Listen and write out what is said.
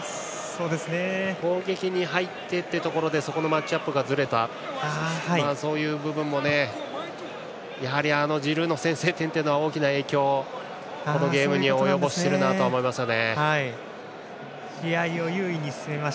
攻撃に入ってのところでそこのマッチアップがずれたそういう部分もやはり、あのジルーの先制点は大きな影響を、このゲームに及ぼしていると思います。